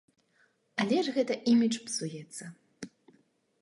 Але ж гэта імідж псуецца.